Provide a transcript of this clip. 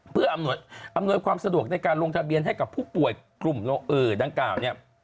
เพื่ออำนวยความสะดวกในการลงทะเบียนให้กับผู้ป่วยกลุ่มดังกล่าวเนี่ย